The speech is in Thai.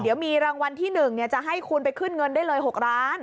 เดี๋ยวมีรางวัลที่๑จะให้คุณไปขึ้นเงินได้เลย๖ล้าน